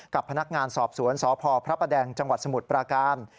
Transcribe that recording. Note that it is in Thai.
กับพนักงานสอบสวนสพพระประแดงจังหวัดสมุทรปราการ